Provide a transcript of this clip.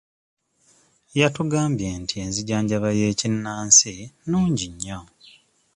Yatugambye nti enzijanjaba y'ekinnansi nnungi nnyo.